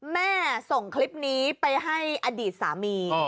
แม่ส่งคลิปนี้ไปให้อดีตสามี